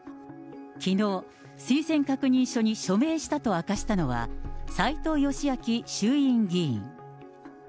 きのう、推薦確認書に署名したと明かしたのは、斎藤よしあき衆議院議員。